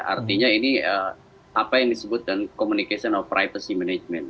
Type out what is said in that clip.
artinya ini apa yang disebutkan communication of privacy management